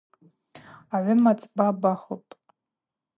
Агӏвыма цӏба бахвыпӏ.